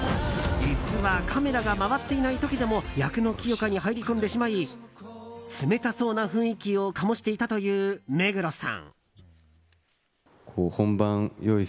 実はカメラが回っていない時でも役の清霞に入り込んでしまい冷たそうな雰囲気を醸し出していたという目黒さん。